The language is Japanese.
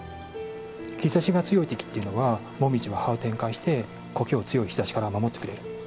日ざしが強いときというのはもみじは葉を展開して苔を強い日ざしから守ってくれる。